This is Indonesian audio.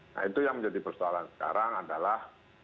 nah itu yang menjadi persoalan sekarang adalah